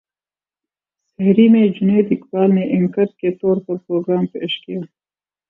سحری میں جنید اقبال نے اینکر کے طور پر پروگرام پیش کیا